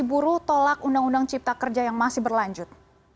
bagaimana perkembangan aksi yang buruk tolak undang undang cipta kerja yang masih berlanjut